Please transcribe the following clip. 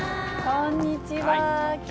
こんにちは。